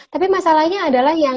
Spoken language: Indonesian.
tapi masalahnya adalah